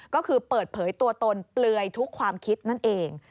ก็คือเปิดเผยตัวตนเปลือยทุกความคิดนั่นเอง